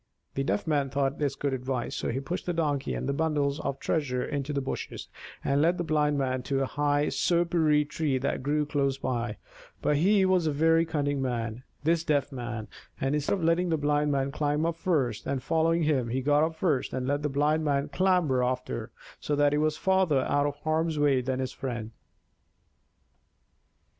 The Deaf Man thought this good advice; so he pushed the Donkey and the bundles of treasure into the bushes, and led the Blind Man to a high soparee tree that grew close by; but he was a very cunning man, this Deaf Man, and instead of letting the Blind Man climb up first and following him, he got up first and let the Blind Man clamber after, so that he was farther out of harm's way than his friend.